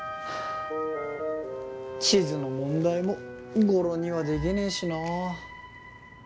地図の問題も語呂にはできねえしなあ。